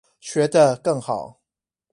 學得更好